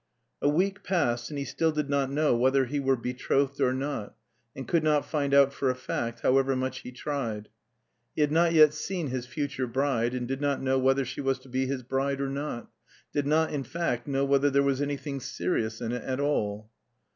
A week passed and he still did not know whether he were betrothed or not, and could not find out for a fact, however much he tried. He had not yet seen his future bride, and did not know whether she was to be his bride or not; did not, in fact, know whether there was anything serious in it at all.